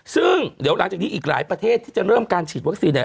ซึ่งเดี๋ยวหลังจากนี้อีกหลายประเทศที่จะเริ่มการฉีดวัคซีนเนี่ย